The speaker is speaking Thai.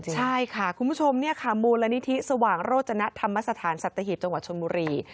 ใช่ค่ะคุณผู้ชมมูลนิธิสว่างโรจณะธรรมสถานสัตวิทย์จังหวัดชมุรี